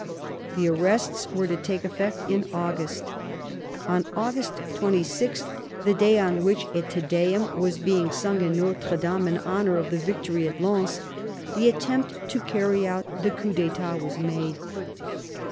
The arrests were to take effect in August. On August 26, the day on which a Te Deum was being sung in Notre Dame in honour of the victory at Lens, the attempt to carry out the cmp d!6tat was made.